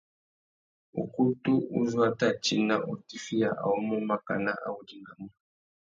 Ukutu uzú a tà tina utifiya awômô makana a wô dingamú.